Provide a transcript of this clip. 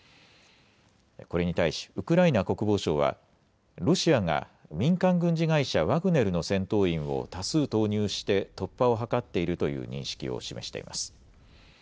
これに対しウクライナ国防省はロシアが民間軍事会社、ワグネルの戦闘員を多数投入して突破を図っているという認識を示しています。